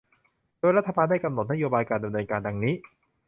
โดยรัฐบาลได้กำหนดนโยบายการดำเนินการดังนี้